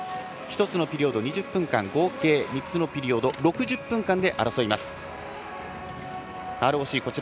１つのピリオド、２０分間合計３つのピリオド６０分間で争います。